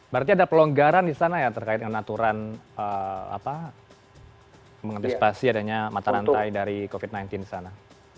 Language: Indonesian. berarti ada pelonggaran di sana ya terkait dengan aturan mengantisipasi adanya mata rantai dari covid sembilan belas di sana